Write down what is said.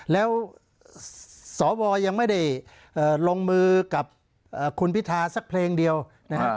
แล้วสวยังไม่ได้ลงมือกับคุณพิธาสักเพลงเดียวนะครับ